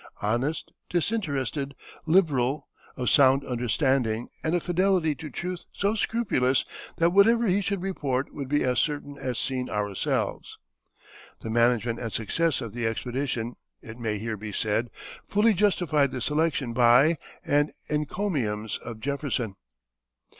honest, disinterested, liberal, of sound understanding and a fidelity to truth so scrupulous that whatever he should report would be as certain as seen ourselves." The management and success of the expedition, it may here be said, fully justified the selection by and encomiums of Jefferson.